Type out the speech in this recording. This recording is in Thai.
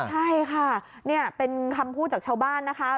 ใช่ค่ะนี่เป็นคำพูดจากชาวบ้านนะคะ